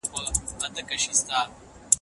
څوک د انټرنیټي خدمتونو د کیفیت د لوړولو مسوول دی؟